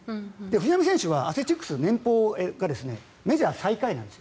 藤浪選手はアスレチックス年俸がメジャー最下位なんです。